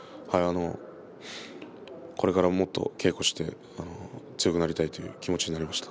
これからもっと稽古をして強くなりたいという気持ちになりました。